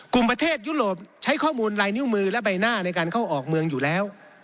กลุ่มประเทศยุโรปใช้ข้อมูลลายนิ้วมือและใบหน้าในการเข้าออกเมืองอยู่แล้ว